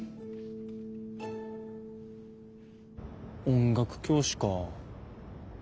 音楽教師か。